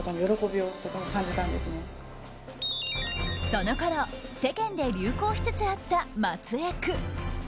そのころ世間で流行しつつあった、まつエク。